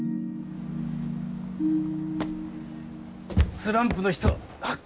スランプの人発見！